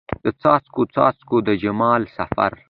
د څاڅکو، څاڅکو د جمال سفر